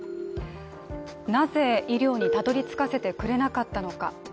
なぜ医療にたどり着かせてくれなかったのか。